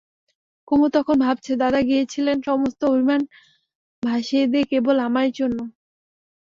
কুমু তখন ভাবছে– দাদা গিয়েছিলেন সমস্ত অভিমান ভাসিয়ে দিয়ে, কেবল আমারই জন্যে!